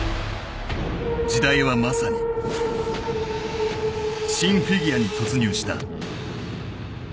時代は、まさにシン・フィギュアに突入した。